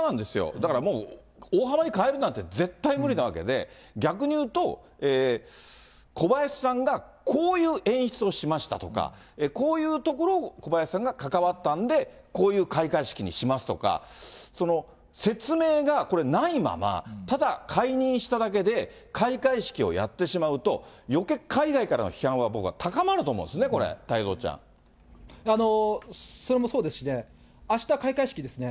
だからもう、大幅に変えるなんて絶対無理なわけで、逆に言うと、小林さんがこういう演出をしましたとか、こういうところを小林さんが関わったんで、こういう開会式にしますとか、説明がないまま、ただ解任しただけで、開会式をやってしまうと、よけい海外からの批判は、僕は高まると思うんですね、それもそうですしね、あした開会式ですね。